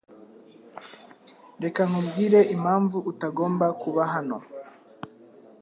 Reka nkubwire impamvu utagomba kuba hano.